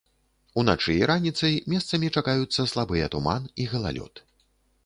Уначы і раніцай месцамі чакаюцца слабыя туман і галалёд.